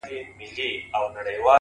يوه شېبه تم سوی نه يم در روان هم يم!